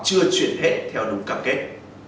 chưa chuyển hết theo đúng cam kết